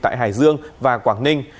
tại hải dương và quảng ninh